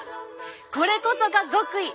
これこそが極意。